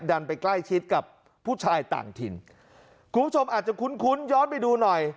ดันไปใกล้ชิดกับผู้ชายต่างถิ่นคุณผู้ชมอาจจะคุ้นคุ้นย้อนไปดูหน่อย